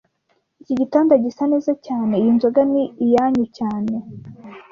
Iki gitanda gisa neza cyane Iyi nzoga ni iyanyu cyane